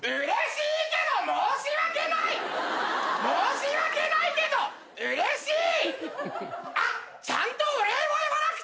よし。